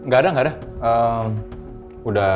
gak ada gak ada